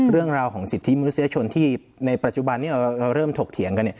เรื่องราวของสิทธิมนุษยชนที่ในปัจจุบันที่เราเริ่มถกเถียงกัน